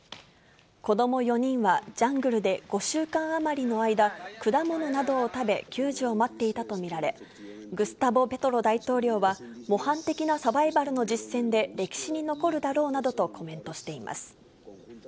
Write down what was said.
子ども４人は、ジャングルで５週間余りの間、果物などを食べ、救助を待っていたと見られ、グスタボ・ペトロ大統領は、模範的なサバイバルの実践で歴史に残るだろうなどとコメントしています。